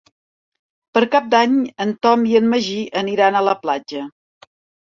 Per Cap d'Any en Tom i en Magí aniran a la platja.